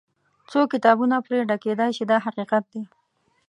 څو کتابونه پرې ډکېدای شي دا حقیقت دی.